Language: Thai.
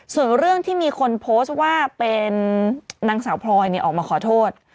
ส่วนเรื่องที่มีคนโพสต์ว่าเป็นนางสาวพลอยออกมาขอโทษ